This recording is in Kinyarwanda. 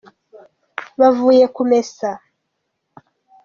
bavuye kumesa.